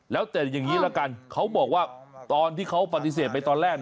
แล้วแต่อย่างนี้ละกันเขาบอกว่าตอนที่เขาปฏิเสธไปตอนแรก